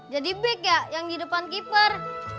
jadi beg ya yang di depan keeper